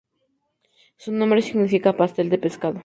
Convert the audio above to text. Su nombre significa pastel de pescado""'.